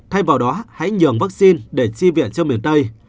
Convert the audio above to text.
thay vào đó hãy nhường vaccine để chi viện cho miền tây